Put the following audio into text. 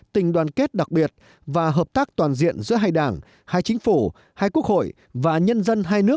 tình đoàn kết đặc biệt và hợp tác toàn diện giữa hai đảng hai chính phủ hai quốc hội và nhân dân hai nước